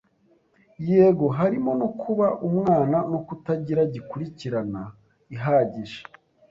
Yego harimo no kuba umwana no kutagira gikurikirana ihagije